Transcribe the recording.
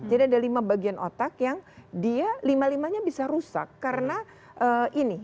ada lima bagian otak yang dia lima limanya bisa rusak karena ini